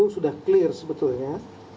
sudah clear sebetulnya